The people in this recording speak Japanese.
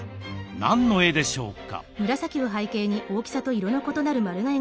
何の絵でしょうか？